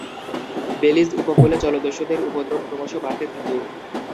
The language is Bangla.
বেলিজ উপকূলে জলদস্যুদের উপদ্রব ক্রমশ বাড়তে থাকে।